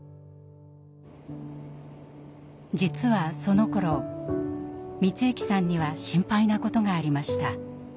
実はそのころ光行さんには心配なことがありました。